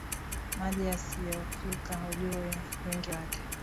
Maji usiyoyafika hujui wingi wake